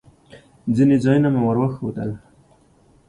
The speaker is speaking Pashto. ځینې ځایونه مې ور وښوول.